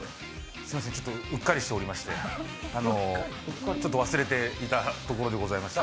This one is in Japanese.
すみません、うっかりしておりましてちょっと忘れていたところでございまして。